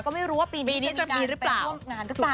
ก็ไม่รู้ว่าปีนี้จะเป็นการเป็นผ่วงงานหรือเปล่า